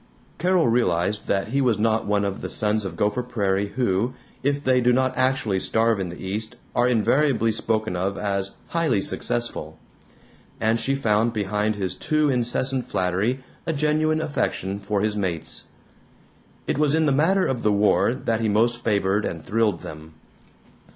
Carol realized that he was not one of the sons of Gopher Prairie who, if they do not actually starve in the East, are invariably spoken of as "highly successful"; and she found behind his too incessant flattery a genuine affection for his mates. It was in the matter of the war that he most favored and thrilled them.